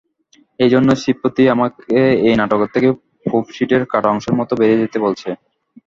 এইজন্যে শ্রীপতি আমাকে এই নাটকের থেকে প্রুফশিটের কাটা অংশের মতো বেরিয়ে যেতে বলছে।